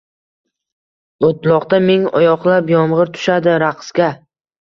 O‘tloqda ming oyoqlab, yomg‘ir tushadi raqsga.